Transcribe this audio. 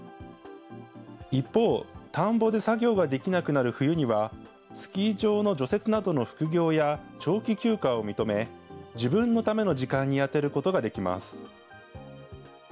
一方、田んぼで作業ができなくなる冬には、スキー場の除雪などの副業や、長期休暇を認め、自分のための時間に充てることができます。